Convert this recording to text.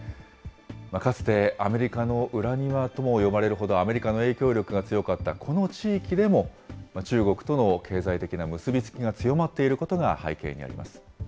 かつてアメリカの裏庭とも呼ばれるほど、アメリカの影響力が強かったこの地域でも、中国との経済的な結び付きが強まっていることが背景にあります。